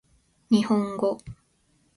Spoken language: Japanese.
日本語